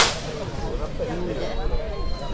Өйөндә!